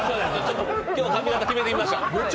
今日、髪形決めてみました。